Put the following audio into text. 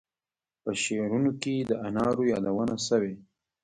په شعرونو کې د انارو یادونه شوې.